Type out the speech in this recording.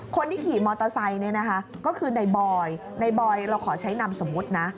คนที่ขี่มอเตอร์ไซค์เนี่ยนะคะก็คือในบอยในบอยเราขอใช้นามสมมุตินะ